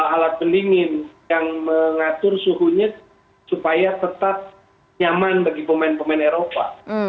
alat pendingin yang mengatur suhunya supaya tetap nyaman bagi pemain pemain eropa